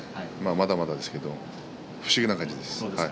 まだまだですけど不思議な感じです。